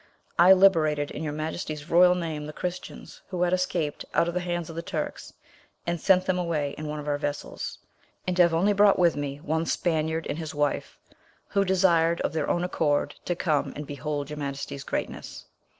I liberated in your Majesty's royal name the Christians who had escaped out of the hands of the Turks, and sent them away in one of our vessels; and have only brought with me one Spaniard and his wife, who desired of their own accord to come and behold your Majesty's greatness.